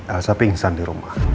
elsa pingsan di rumah